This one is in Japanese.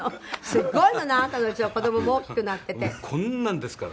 すごいのね、あなたのうちの子供も大きくなってて。